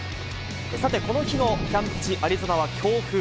さて、この日のキャンプ地、アリゾナは強風。